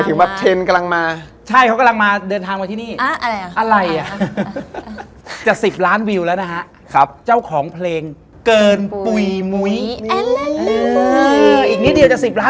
คือถ้าไม่ฟังนอนไม่หลับใช่ปะ